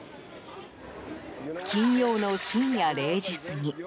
金曜の深夜０時過ぎ。